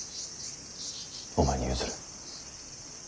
お前に譲る。